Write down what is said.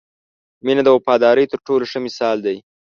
• مینه د وفادارۍ تر ټولو ښه مثال دی.